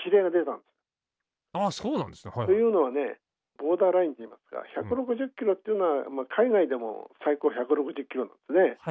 ボーダーラインといいますか１６０キロっていうのは海外でも最高１６０キロなんですね。